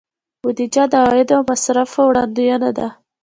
بودیجه د عوایدو او مصارفو وړاندوینه ده.